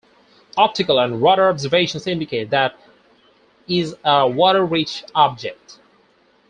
Optical and radar observations indicate that is a water-rich object.